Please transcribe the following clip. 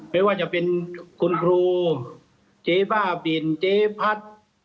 ไม่ว่าจะเป็นคุณครูเจ๊บ้าบินเจ๊พัด